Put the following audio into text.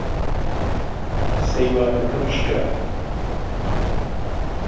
سەیوانەکەم شکا.